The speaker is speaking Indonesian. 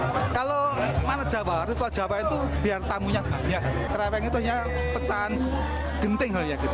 kalau mana jawa ada jawa itu biar tamunya kreweng itu hanya pecahan genting halnya gitu